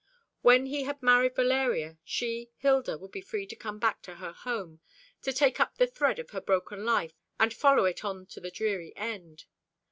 When he had married Valeria, she, Hilda, would be free to come back to her home, to take up the thread of her broken life and follow it on to the dreary end.